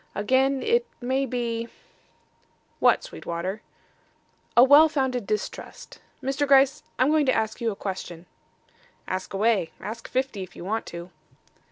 Again it may be " "What, Sweetwater?" "A well founded distrust. Mr. Gryce, I'm going to ask you a question." "Ask away. Ask fifty if you want to."